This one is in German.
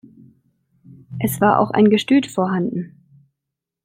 Es war auch ein Gestüt vorhanden.